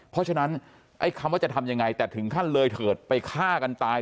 เพราะฉะนั้นไอ้คำว่าจะทำยังไงแต่ถึงขั้นเลยเถิดไปฆ่ากันตาย